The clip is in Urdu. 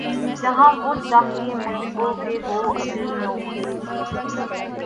جہاں وہ چاہیئے مجھ کو کہ ہو ابھی نوخیز